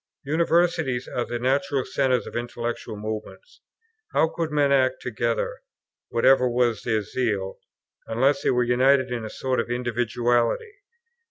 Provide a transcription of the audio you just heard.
Universities are the natural centres of intellectual movements. How could men act together, whatever was their zeal, unless they were united in a sort of individuality?